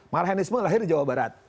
marhanisme lahir di jawa barat